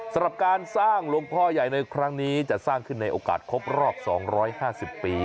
สำหรับการสร้างหลวงพ่อใหญ่ในครั้งนี้จะสร้างขึ้นในโอกาสครบรอบ๒๕๐ปี